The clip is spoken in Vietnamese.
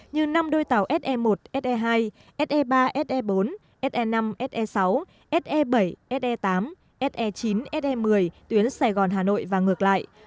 như năm đôi tàu se một se hai se ba se bốn se năm se sáu se bảy se tám se chín se một mươi tuyến sài gòn hà nội và ngược lại